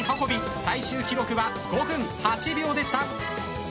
最終記録は５分８秒でした。